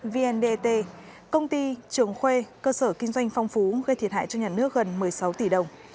vndt công ty trường khuê cơ sở kinh doanh phong phú gây thiệt hại cho nhà nước gần một mươi sáu tỷ đồng